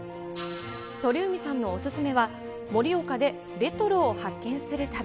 鳥海さんのお勧めは、盛岡でレトロを発見する旅。